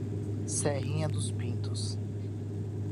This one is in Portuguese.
Serrinha dos Pintos